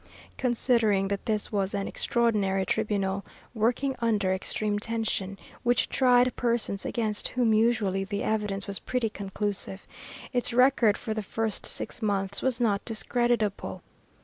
Considering that this was an extraordinary tribunal, working under extreme tension, which tried persons against whom usually the evidence was pretty conclusive, its record for the first six months was not discreditable.